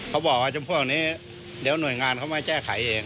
เขาบอกว่าจำพวกนี้เดี๋ยวหน่วยงานเขามาแก้ไขเอง